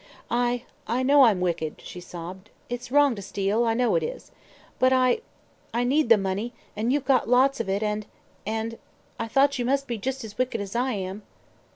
"I I know I'm wicked," she sobbed; "it's wrong to steal; I know it is. But I I need the money, and you've got lots of it; and and I thought you must be just as wicked as I am!"